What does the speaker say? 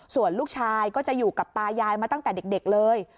ส่วนลูกชายก็จะอยู่กับตายายมาตั้งแต่เด็กเลย